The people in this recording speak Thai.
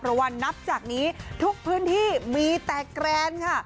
เพราะว่านับจากนี้ทุกพื้นที่มีแต่แกรนค่ะ